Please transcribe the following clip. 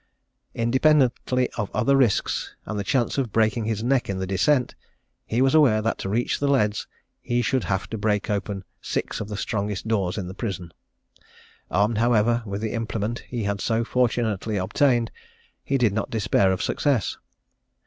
Independently of other risks, and the chance of breaking his neck in the descent, he was aware that to reach the leads he should have to break open six of the strongest doors of the prison. Armed, however, with the implement he had so fortunately obtained, he did not despair of success.